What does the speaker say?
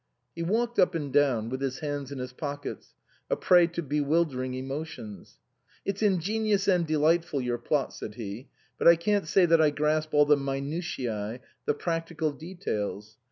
He walked up and down with his hands in his pockets, a prey to bewildering emotions. " It's ingenious and delightful, your plot," said he. " But I can't say that I grasp all the minutice, the practical details.